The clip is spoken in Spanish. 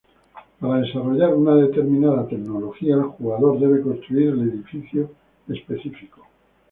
Para desarrollar una determinada tecnología, el jugador debe construir el edificio específico.